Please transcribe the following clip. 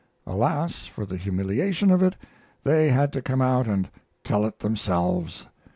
Alas, for the humiliation of it, they had to come out and tell it themselves!